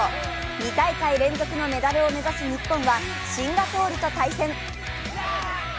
２大会連続のメダルを目指す日本は、シンガポールと対戦。